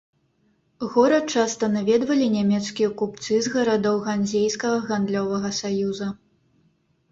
Горад часта наведвалі нямецкія купцы з гарадоў ганзейскага гандлёвага саюза.